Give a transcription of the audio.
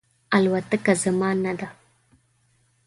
الوتکه زما نه ده